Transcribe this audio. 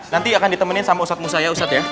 nanti akan ditemenin sama ustadzmu saya ustadz ya